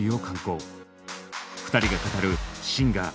２人が語るシンガー